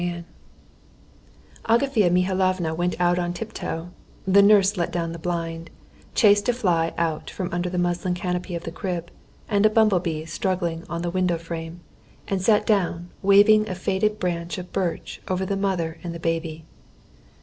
Chapter 7 Agafea Mihalovna went out on tiptoe; the nurse let down the blind, chased a fly out from under the muslin canopy of the crib, and a bumblebee struggling on the window frame, and sat down waving a faded branch of birch over the mother and the baby.